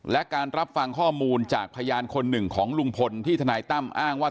และการรับฟังข้อมูลจากพยานคนหนึ่งของลุงพลที่ทนายตั้มอ้างว่า